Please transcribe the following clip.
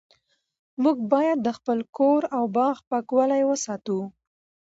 موږ باید د خپل کور او باغ پاکوالی وساتو